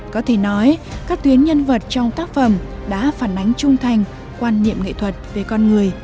có thể nói các tuyến nhân vật trong tác phẩm đã phản ánh trung thành quan niệm nghệ thuật về con người